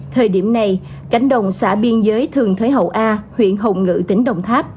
thời điểm này cánh đồng xã biên giới thường thới hậu a huyện hồng ngự tỉnh đồng tháp